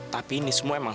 tapi ini semua emang